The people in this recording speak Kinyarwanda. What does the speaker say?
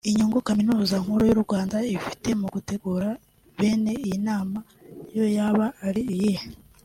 Inyungu Kaminuza Nkuru y’u Rwanda ifite mu gutegura bene iyi nama yo yaba ari iyihe